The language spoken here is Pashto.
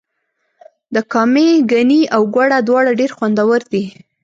د کامې ګني او ګوړه دواړه ډیر خوندور دي.